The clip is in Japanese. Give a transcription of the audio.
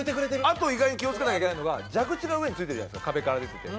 あと意外に気を付けなきゃいけないのが蛇口が上に付いてるやつ壁から出てて。